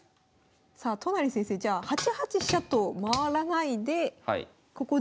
さあ都成先生じゃあ８八飛車と回らないでここで。